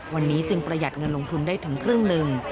วันนี้จึงประหยัดเงินลงทุนได้ถึงครึ่งหนึ่ง